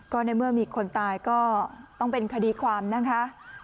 ก็ในเมื่อมีคนตายก็ต้องเป็นคดีความนะคะ